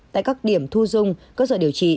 tại các điểm thu dung cơ sở điều trị